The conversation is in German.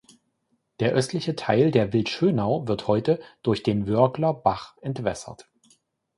Der östliche Teil der Wildschönau wird heute durch den Wörgler Bach entwässert.